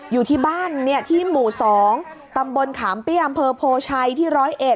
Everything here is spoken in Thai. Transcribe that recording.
อยู่ที่บ้านที่หมู่๒ตำบลขามเปี้ยอำเภอโพชัยที่๑๐๑